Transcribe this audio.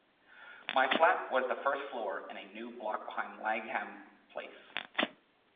My flat was the first floor in a new block behind Langham Place.